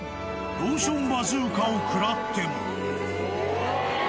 ローションバズーカを食らっても。